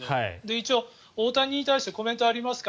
一応、大谷に対してコメントありますか？